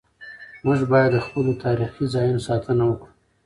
موږ باید د خپلو تاریخي ځایونو ساتنه وکړو.